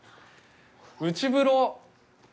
内風呂。